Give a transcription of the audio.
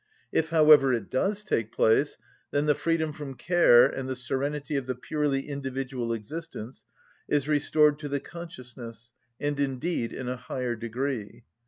If, however, it does take place, then the freedom from care and the serenity of the purely individual existence is restored to the consciousness, and indeed in a higher degree.